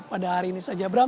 pada hari ini saja bram